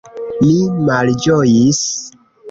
Mi malĝojis.